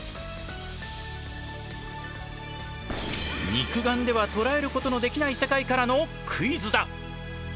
肉眼では捉えることのできない世界からのクイズだ。